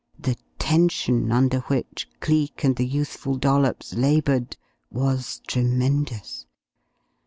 The tension under which Cleek and the youthful Dollops laboured was tremendous.